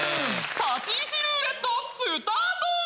立ち位置ルーレットスタート！